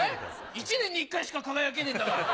１年に１回しか輝けねえんだから。